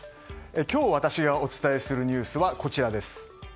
今日私がお伝えするニュースはこちら。